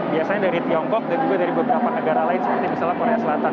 biasanya dari tiongkok dan juga dari beberapa negara lain seperti misalnya korea selatan